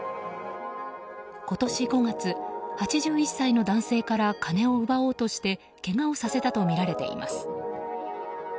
今年５月、８１歳の男性から金を奪おうとしてけがをさせたとみられています。